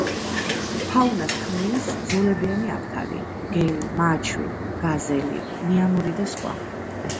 ფაუნას ქმნის: ზოლებიანი აფთარი, მგელი, მაჩვი, გაზელი, ნიამორი და სხვა.